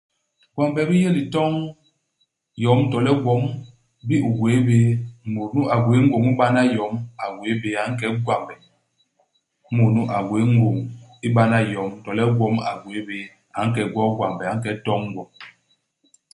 Gwambe bi yé litoñ yom to le gwom bi u gwéé bé. Mut nu a gwéé ngôñ ibana yom a gwéé bé a nke i gwambe. Imut nu a gwéé ngôñ ibana iyom to le igwom a gwéé bé, a nke gwo i gwambe, a nke itoñ gwo.